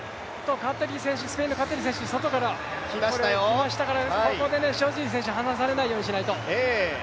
カティル選手、外から来ましたから、ここで塩尻選手、離されないようにしないと。